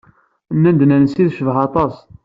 Nnan-d Nancy tecbeḥ aṭas.